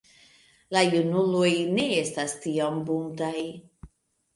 La junuloj ne estas tiom buntaj.